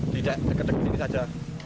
di deket deket ini saja